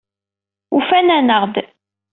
Ufan-aneɣ-d.